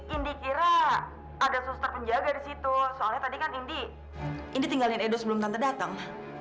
indi kira ada suster penjaga di situ soalnya tadi kan indi ini tinggalin edo sebelum tante datang